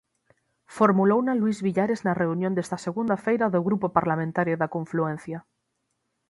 Formulouna Luís Villares na reunión desta segunda feira do grupo parlamentario da confluencia.